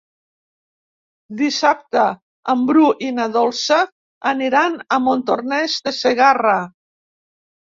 Dissabte en Bru i na Dolça aniran a Montornès de Segarra.